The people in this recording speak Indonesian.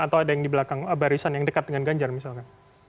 atau ada yang di belakang barisan yang dekat dengan ganjar misalkan